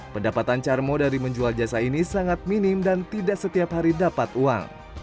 pendapatan carmo dari menjual jasa ini sangat minim dan tidak setiap hari dapat uang